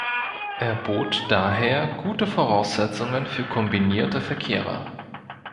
Er bot daher gute Voraussetzungen für Kombinierte Verkehre.